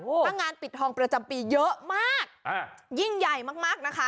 ถ้างานปิดทองประจำปีเยอะมากยิ่งใหญ่มากนะคะ